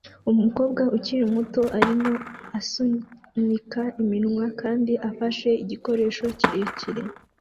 Umukobwa ukiri muto arimo asunika iminwa kandi afashe igikoresho kirekire